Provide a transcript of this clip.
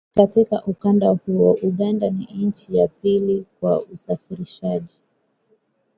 Katika ukanda huo, Uganda ni nchi ya pili kwa usafirishaj